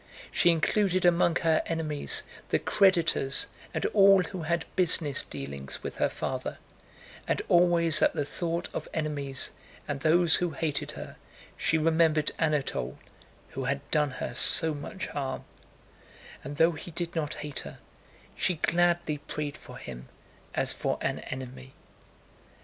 She included among her enemies the creditors and all who had business dealings with her father, and always at the thought of enemies and those who hated her she remembered Anatole who had done her so much harm—and though he did not hate her she gladly prayed for him as for an enemy.